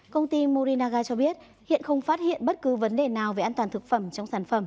công ty morinaga cho biết hiện không phát hiện bất cứ vấn đề nào về an toàn thực phẩm trong sản phẩm